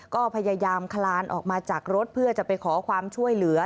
ก็พยายามคลานออกมาจากรถเพื่อจะไปขอความช่วยเหลือ